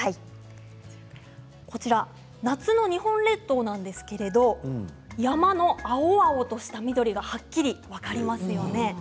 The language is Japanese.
こちらは夏の日本列島なんですけれども山の青々とした緑がはっきり分かりますよね。